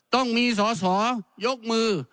ต้องมีสอสอยกมือ